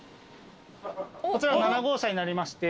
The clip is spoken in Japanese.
こちら７号車になりまして。